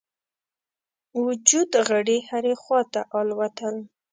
وجود غړي هري خواته الوتل.